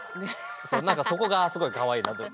なんかそこがすごいかわいいなと。